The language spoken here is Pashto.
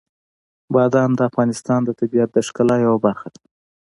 بادام د افغانستان د طبیعت د ښکلا یوه برخه ده.